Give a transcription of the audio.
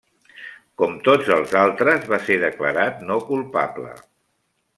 Com tots els altres, va ser declarat no culpable.